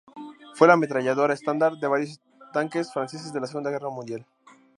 Fue la ametralladora estándar de varios tanques franceses de la Segunda Guerra Mundial.